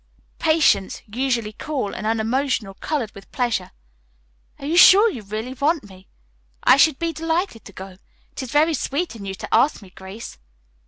Patience, usually cool and unemotional, colored with pleasure. "Are you sure you really want me? I should be delighted to go. It is very sweet in you to ask me, Grace."